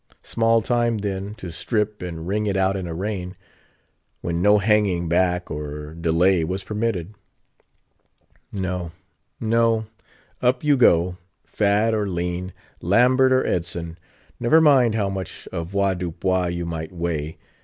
Small time then, to strip, and wring it out in a rain, when no hanging back or delay was permitted. No, no; up you go: fat or lean: Lambert or Edson: never mind how much avoirdupois you might weigh.